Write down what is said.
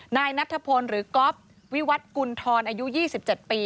นายนัทพลหรือก๊อฟวิวัตกุณฑรอายุ๒๗ปี